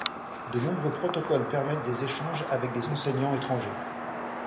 De nombreux protocoles permettent des échanges avec des enseignants étrangers.